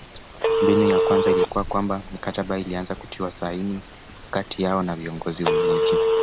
Mbinu ya kwanza ilikuwa kwamba mikataba ilianza kutiwa saini kati yao na viongozi wenyeji